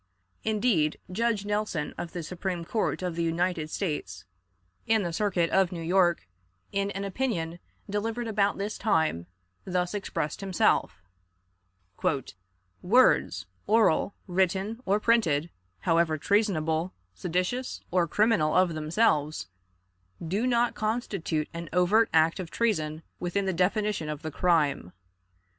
Indeed, Judge Nelson, of the Supreme Court of the United States, in the Circuit of New York, in an opinion delivered about this time, thus expressed himself: "Words, oral, written, or printed, however treasonable, seditious, or criminal of themselves, do not constitute an overt act of treason within the definition of the crime.